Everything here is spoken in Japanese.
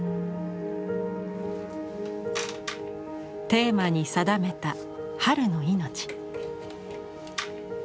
テーマに定めた「春の命」。